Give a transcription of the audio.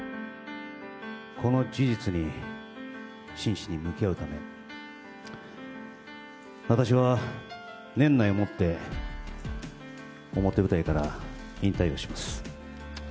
この事実に真摯に向き合うため、私は年内をもって、表舞台から引退をします。